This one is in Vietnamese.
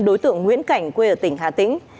đối tượng nguyễn cảnh quê ở tỉnh hà tĩnh